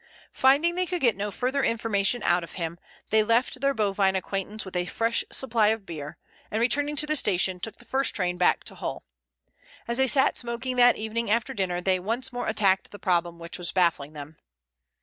Finding they could get no further information out of him, they left their bovine acquaintance with a fresh supply of beer, and returning to the station, took the first train back to Hull. As they sat smoking that evening after dinner they once more attacked the problem which was baffling them.